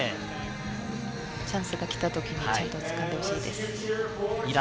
チャンスが来た時にちゃんと掴んでほしいです。